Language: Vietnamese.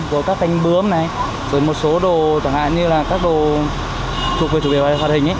rồi các cánh bướm này rồi một số đồ chẳng hạn như là các đồ chụp về hoạt hình